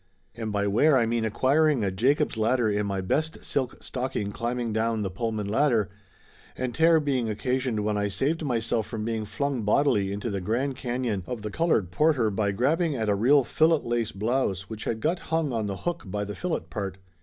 And by wear I mean ac quiring a Jacob's ladder in my best silk stocking climb ing down the Pullman ladder, and tear being occasioned when I saved myself from being flung bodily into the Grand Canon of the Colored Porter by grabbing at a real filet lace blouse which had got hung on the hook by the filet part.